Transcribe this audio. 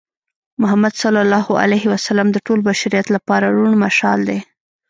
محمد ص د ټول بشریت لپاره روڼ مشال دی.